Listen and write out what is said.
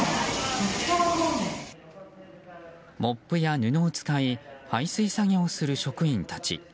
モップや布を使い排水作業をする職員たち。